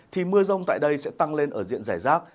thì mưa rông tại đây sẽ tăng lên ở diện giải rác